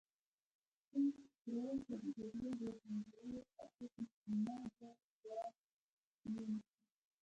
دوی تراوسه د جګړې د بندولو قابل نه دي، ځواک یې نشته.